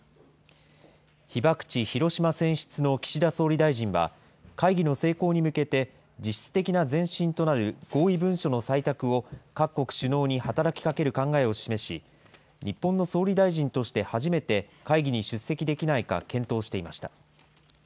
被爆地、広島選出の岸田総理大臣は、会議の成功に向けて、実質的な前進となる合意文書の採択を各国首脳に働きかける考えを示し、日本の総理大臣として初めて会議に出席できないか検討していました。